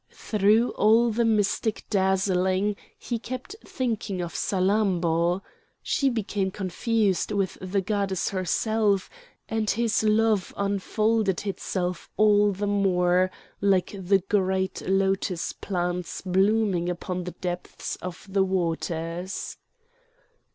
Through all the mystic dazzling he kept thinking of Salammbô. She became confused with the goddess herself, and his loved unfolded itself all the more, like the great lotus plants blooming upon the depths of the waters.